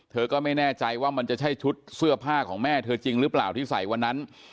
เธอก็ไม่แน่ใจว่ามันจะใช่ชุดเสื้อผ้าของแม่เธอจริงหรือเปล่าที่ใส่วันนั้น